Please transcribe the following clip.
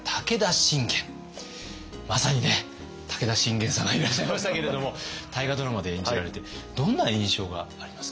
まさにね武田信玄様いらっしゃいましたけれども大河ドラマで演じられてどんな印象がありますか？